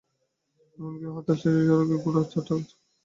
এমনকি হরতাল শেষে সড়কে রাখা গুঁড়ি টাকা খরচ করে ব্যবসায়ীদেরই সরাতে হচ্ছে।